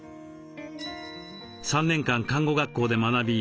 ３年間看護学校で学び